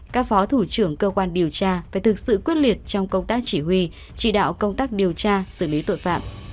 các phó thủ trưởng cơ quan điều tra phải thực sự quyết liệt trong công tác chỉ huy chỉ đạo công tác điều tra xử lý tội phạm